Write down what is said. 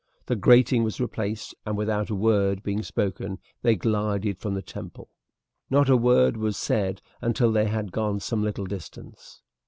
The grating was replaced, and without a word being spoken they glided from the temple. Not a word was said until they had gone some little distance.